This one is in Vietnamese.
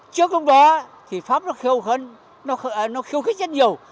trước hôm đó thì pháp nó khiêu khích rất nhiều